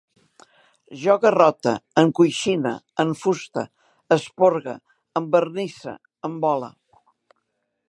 Jo garrote, encoixine, enfuste, esporgue, envernisse, embole